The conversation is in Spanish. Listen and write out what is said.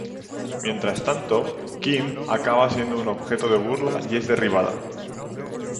Mientras tanto, Kim acaba siendo un objeto de burla y es derribada.